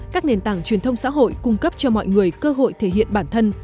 các nền tảng truyền thông xã hội cung cấp cho mọi người cơ hội thể hiện bản thân